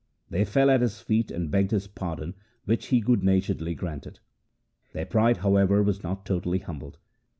They fell at his feet and begged his pardon, which he good naturedly granted. Their pride, however, was not totally humbled.